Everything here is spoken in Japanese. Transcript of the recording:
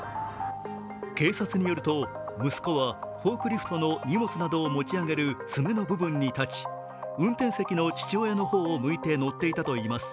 警察によると、息子はフォークリフトの荷物などを持ち上げる爪の部分に立ち、運転席の父親の方を向いて乗っていたといいます。